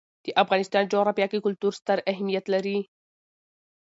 د افغانستان جغرافیه کې کلتور ستر اهمیت لري.